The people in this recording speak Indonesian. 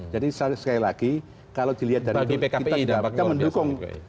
jadi sekali lagi kalau dilihat dari itu kita mendukung